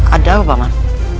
ada apa pak man